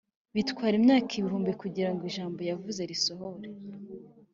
Bitwara imyaka ibihumbi kugira ngo ijambo yavuze risohore